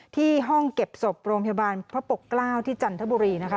ที่ห้องเก็บศพโรงพยาบาลพระปกเกล้าที่จันทบุรีนะคะ